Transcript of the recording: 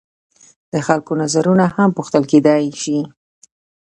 د خلکو نظرونه هم پوښتل کیدای شي.